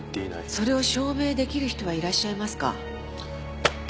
それを証明できる人はいらっしゃいますか？